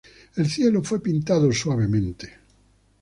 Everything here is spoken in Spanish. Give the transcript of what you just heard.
El cielo fue pintado suavemente.